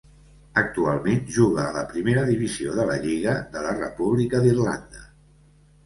Actualment juga a la primera divisió de la lliga de la República d'Irlanda.